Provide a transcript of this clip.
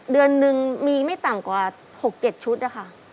เดือนนึงมีไม่ต่ำกว่า๖๗ชุดนะคะ